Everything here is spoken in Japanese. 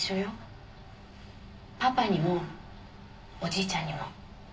パパにもおじいちゃんにも。